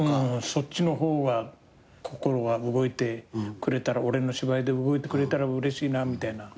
そっちの方が心が動いてくれたら俺の芝居で動いてくれたらうれしいなみたいな。